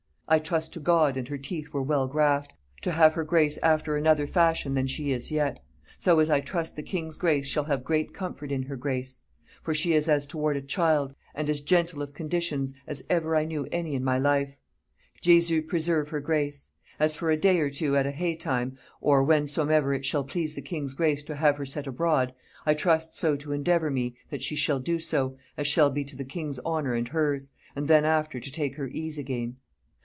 I trust to God and her teeth were well graft, to have her grace after another fashion than she is yet: so as I trust the king's grace shall have great comfort in her grace. For she is as toward a child, and as gentle of conditions, as ever I knew any in my life. Jesu preserve her grace! As for a day or two at a hey time, or whensomever it shall please the king's grace to have her set abroad, I trust so to endeavour me, that she shall so do, as shall be to the king's honour and hers; and then after to take her ease again.